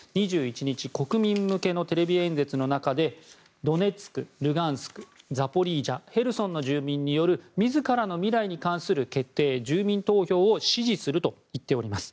２１日、国民向けのテレビ演説の中でドネツク、ルガンスクザポリージャ、ヘルソンの住民による自らの未来に関する決定住民投票を支持すると言っております。